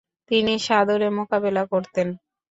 তিনি সাদরে মোকাবেলা করতেন।